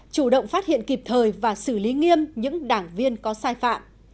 chủ động phát hiện kịp thời và xử lý nghiêm những đảng viên có sai phạm